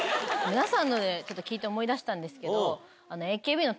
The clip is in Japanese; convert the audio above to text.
皆さんのでちょっと聞いて思いだしたんですけど。